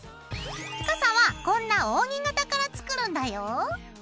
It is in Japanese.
傘はこんな扇形から作るんだよ。